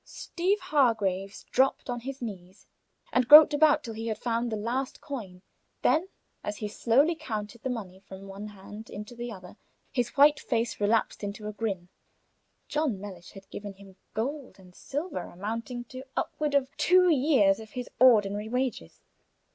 Steeve Hargraves dropped on his knees, and groped about till he had found the last coin; then, as he slowly counted the money from one hand into the other, his white face relapsed into a grin; John Mellish had given him gold and silver amounting to upward of two years of his ordinary wages.